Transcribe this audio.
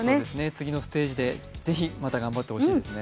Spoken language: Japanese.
次のステージでぜひまた頑張ってほしいですね。